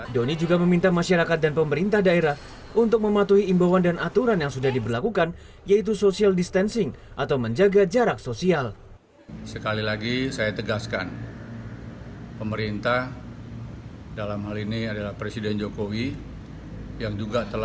doni juga meminta masyarakat dan pemerintah daerah untuk mematuhi imbauan dan aturan yang sudah diberlakukan yaitu social distancing atau menjaga jarak sosial